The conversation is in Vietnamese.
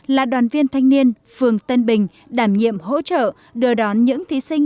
là đoàn viên thanh niên phường tân bình đảm nhiệm hỗ trợ đưa đón những thí sinh